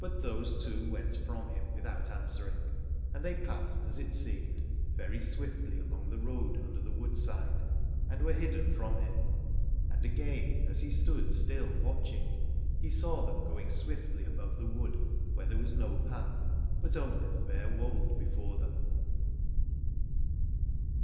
But those two went from him without answering, and they passed, as it seemed, very swiftly along the road under the woodside, and were hidden from 6 Aladore him. And again, as he stood still watching, he saw them going swiftly above the wood where there was no path, but only the bare wold before them.